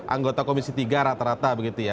anggota komisi tiga rata rata